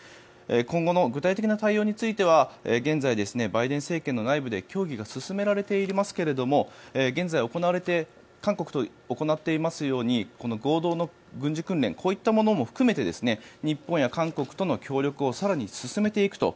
今後の具体的な対応については現在、バイデン政権の内部で協議が進められていますが現在、韓国と行っていますように合同の軍事訓練こういったことも含めて日本や韓国との協力も更に進めていくと。